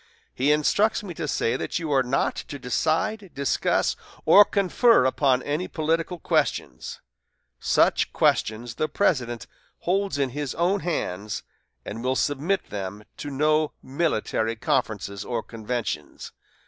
He instructs me to say that you are not to decide, discuss, or confer upon any political questions. Such questions the President holds in his own hands, and will submit them to no military conferences or conventions.